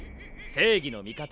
正義の味方